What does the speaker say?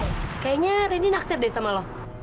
kayaknya rini naksir deh sama lo